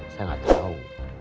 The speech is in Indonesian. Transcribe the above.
saya gak tau